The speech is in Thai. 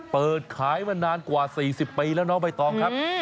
เปิดขายมานานกว่า๔๐ปีแล้วน้องใบตองครับ